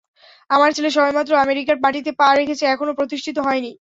আমার ছেলে সবেমাত্র আমেরিকার মাটিতে পা রেখেছে, এখনো প্রতিষ্ঠিত হয়নি।